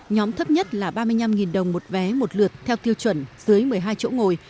nhóm thấp nhất là ba mươi năm đồng một vé một lượt theo tiêu chuẩn dưới một mươi hai chỗ ngồi